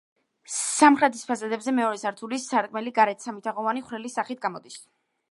სამხრეთის ფასადებზე მეორე სართულის სარკმელი გარეთ სამი თაღოვანი ხვრელის სახით გამოდის.